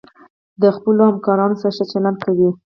د خپلو همکارانو سره ښه چلند کوئ.